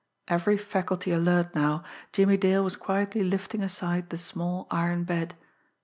Every faculty alert now, Jimmie Dale was quietly lifting aside the small iron bed.